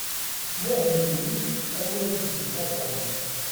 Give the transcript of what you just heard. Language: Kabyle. Iswahem-iyi awal i d-yefka Tom.